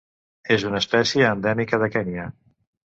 És una espècie endèmica de Kenya.